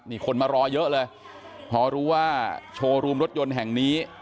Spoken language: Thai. นี่คนมารอเยอะเลยพอรู้ว่าโชว์รูมรถยนต์แห่งนี้